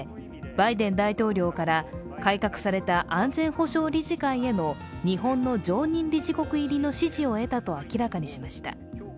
バイデン大統領から改革された安全保障理事会への日本の常任理事国入りの支持を得たと明らかにしました。